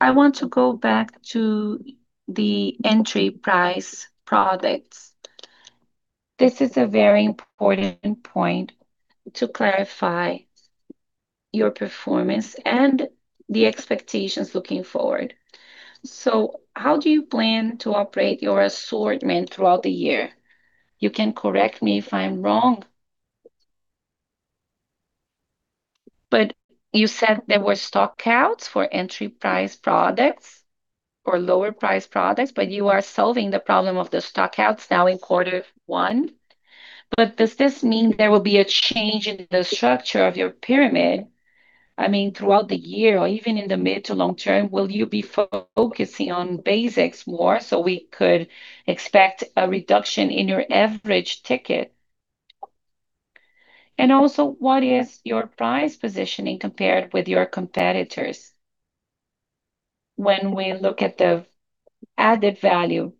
I want to go back to the entry-price-products. This is a very important point to clarify your performance and the expectations looking forward. How do you plan to operate your assortment throughout the year? You can correct me if I'm wrong, but you said there were stock outs for entry-price-productss or lower priced products, but you are solving the problem of the stockouts now in quarter one. Does this mean there will be a change in the structure of your pyramid? I mean, throughout the year or even in the mid-to long-term, will you be focusing on basics more, so we could expect a reduction in your average ticket? What is your price positioning compared with your competitors? When we look at the added value,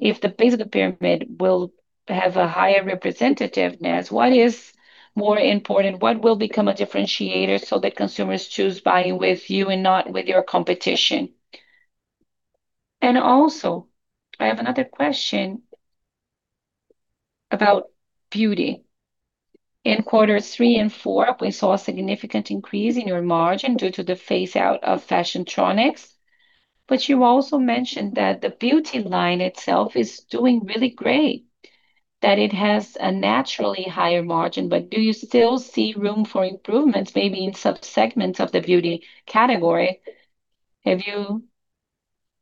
if the base of the pyramid will have a higher representativeness, what is more important? What will become a differentiator so that consumers choose buying with you and not with your competition? I have another question about beauty. In quarters three and four, we saw a significant increase in your margin due to the phase-out of Fashiontronics, but you also mentioned that the beauty line itself is doing really great, that it has a naturally higher margin, but do you still see room for improvements, maybe in sub-segments of the beauty category? I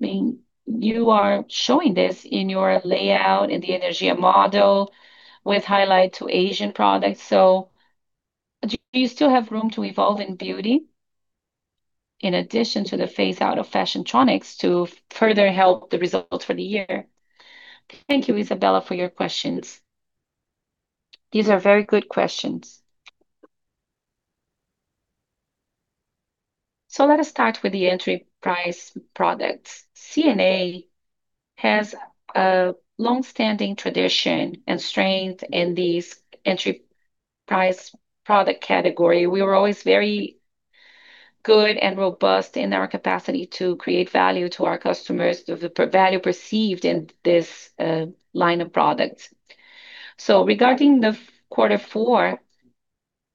mean, you are showing this in your layout, in the Energia, with highlight to Asian products. Do you still have room to evolve in beauty in addition to the phase-out of Fashiontronics to further help the results for the year? Thank you, Isabella, for your questions. These are very good questions. Let us start with the entry-price-products. C&A has a long-standing tradition and strength in these entry-price-product category. We were always very good and robust in our capacity to create value to our customers, the value perceived in this line of products. Regarding the quarter four,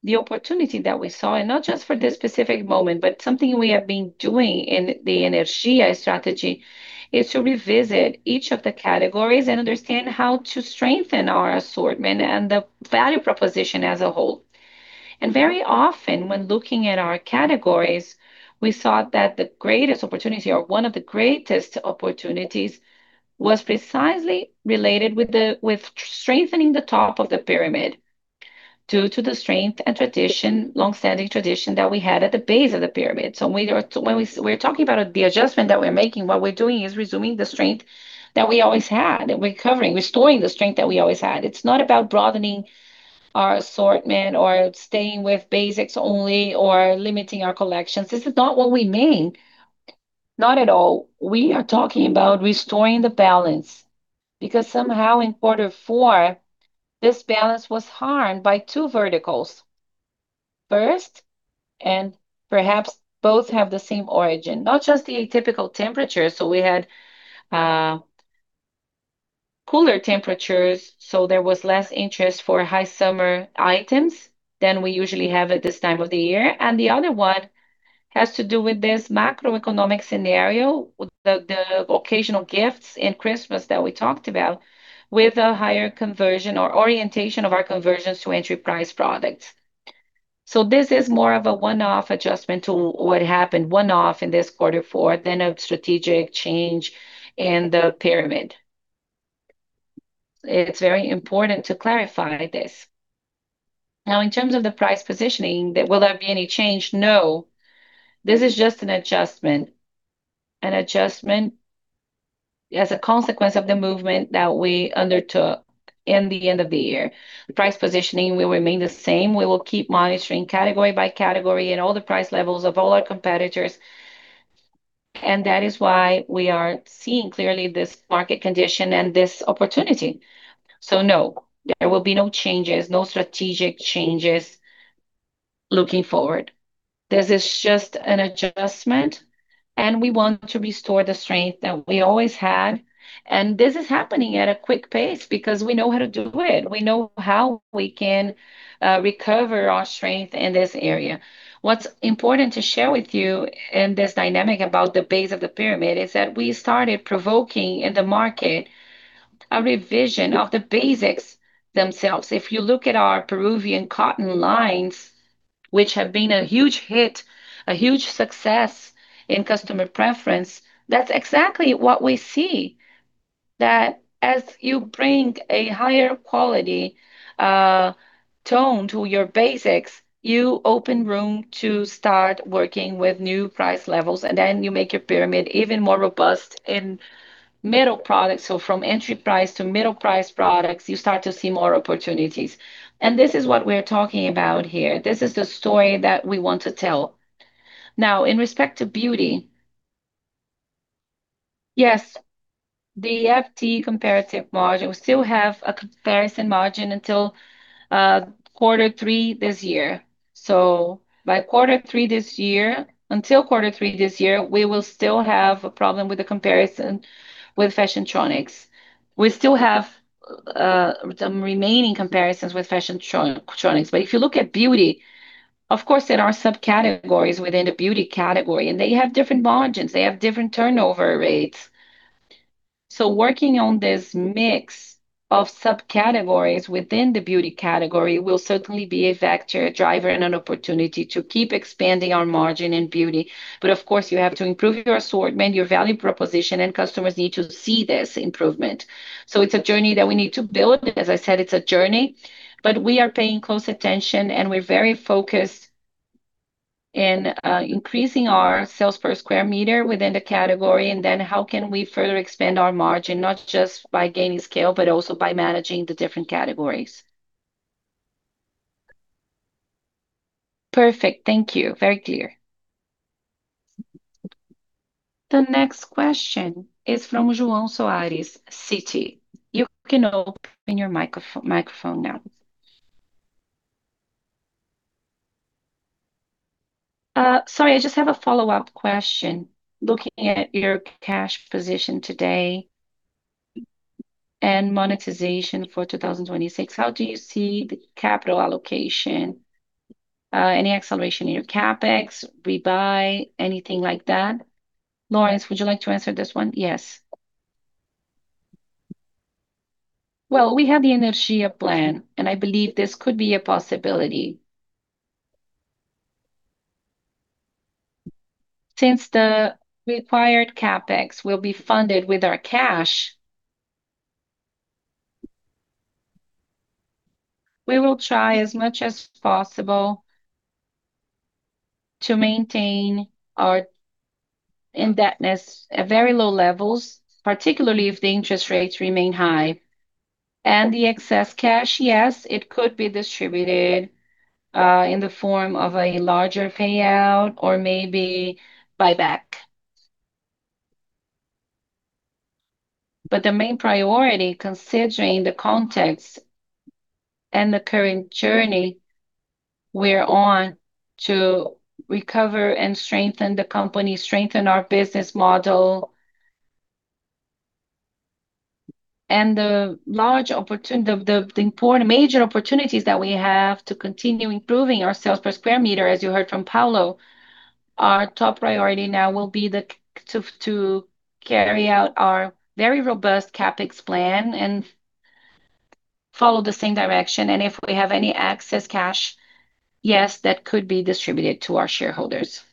the opportunity that we saw, and not just for this specific moment, but something we have been doing in the Energia strategy, is to revisit each of the categories and understand how to strengthen our assortment and the value proposition as a whole. Very often, when looking at our categories, we saw that the greatest opportunity or one of the greatest opportunities was precisely related with strengthening the top of the pyramid due to the strength and tradition, long-standing tradition that we had at the base of the pyramid. When we're talking about the adjustment that we're making, what we're doing is resuming the strength that we always had. We're recovering, restoring the strength that we always had. It's not about broadening our assortment or staying with basics only or limiting our collections. This is not what we mean, not at all. We are talking about restoring the balance, because somehow in quarter four, this balance was harmed by two verticals. First, and perhaps both have the same origin, not just the atypical temperatures, so we had cooler temperatures, so there was less interest for high summer items than we usually have at this time of the year. The other one has to do with this macroeconomic scenario, with the occasional gifts in Christmas that we talked about, with a higher conversion or orientation of our conversions to entry-price-products. This is more of a one-off adjustment to what happened, one-off in this quarter four than a strategic change in the pyramid. It's very important to clarify this. In terms of the price positioning, will there be any change? This is just an adjustment, an adjustment as a consequence of the movement that we undertook in the end of the year. The price positioning will remain the same. We will keep monitoring category by category and all the price levels of all our competitors. That is why we are seeing clearly this market condition and this opportunity. No, there will be no changes, no strategic changes looking forward. This is just an adjustment. We want to restore the strength that we always had. This is happening at a quick pace because we know how to do it. We know how we can recover our strength in this area. What's important to share with you in this dynamic about the base of the pyramid is that we started provoking in the market a revision of the basics themselves. If you look at our Peruvian cotton lines, which have been a huge hit, a huge success in customer preference, that's exactly what we see, that as you bring a higher quality tone to your basics, you open room to start working with new price levels, and then you make your pyramid even more robust in middle products. From entry price to middle price products, you start to see more opportunities. This is what we're talking about here. This is the story that we want to tell. Now, in respect to beauty, yes, the FT comparative margin, we still have a comparison margin until quarter three this year. Until quarter three this year, we will still have a problem with the comparison with Fashiontronics. We still have some remaining comparisons with Fashiontronics. If you look at beauty, of course, there are sub-categories within the beauty category, and they have different margins, they have different turnover rates. Working on this mix of subcategories within the beauty category will certainly be a factor, a driver, and an opportunity to keep expanding our margin in beauty. Of course, you have to improve your assortment, your value proposition, and customers need to see this improvement. It's a journey that we need to build. As I said, it's a journey, but we are paying close attention, and we're very focused in increasing our sales per square meter within the category, and then how can we further expand our margin, not just by gaining scale, but also by managing the different categories. Perfect. Thank you. Very clear. The next question is from João Soares, Citi. You can open your microphone now. Sorry, I just have a follow-up question. Looking at your cash position today and monetization for 2026, how do you see the capital allocation? Any acceleration in your CapEx, rebuy, anything like that? Laurence, would you like to answer this one? Yes. Well, we have the Energia plan, and I believe this could be a possibility. Since the required CapEx will be funded with our cash, we will try as much as possible to maintain our indebtedness at very low levels, particularly if the interest rates remain high. The excess cash, yes, it could be distributed in the form of a larger payout or maybe buyback. The main priority, considering the context and the current journey we're on to recover and strengthen the company, strengthen our business model, and the large opportunity... the important major opportunities that we have to continue improving our sales per square meter, as you heard from Paulo, our top priority now will be to carry out our very robust CapEx plan and follow the same direction. If we have any excess cash, yes, that could be distributed to our shareholders.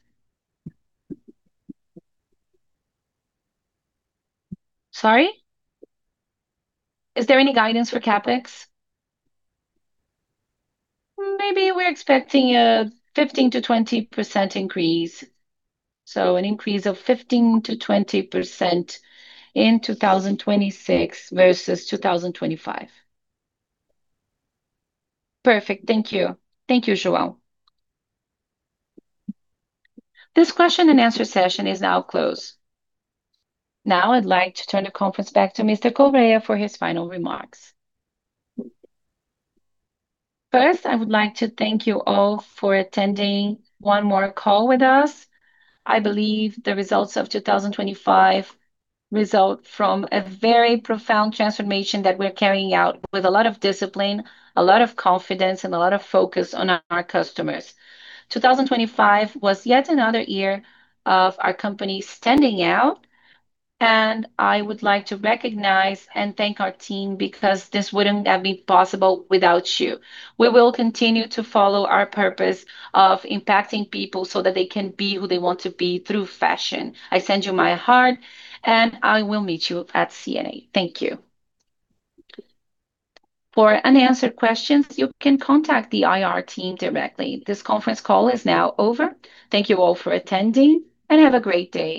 Sorry? Is there any guidance for CapEx? Maybe we're expecting a 15%-20% increase. An increase of 15%-20% in 2026 versus 2025. Perfect. Thank you. Thank you, João. This question and answer session is now closed. I'd like to turn the conference back to Mr. Correa for his final remarks. First, I would like to thank you all for attending one more call with us. I believe the results of 2025 result from a very profound transformation that we're carrying out with a lot of discipline, a lot of confidence, and a lot of focus on our customers. 2025 was yet another year of our company standing out. I would like to recognize and thank our team because this wouldn't have been possible without you. We will continue to follow our purpose of impacting people so that they can be who they want to be through fashion. I send you my heart. I will meet you at C&A. Thank you. For unanswered questions, you can contact the IR team directly. This conference call is now over. Thank you all for attending. Have a great day.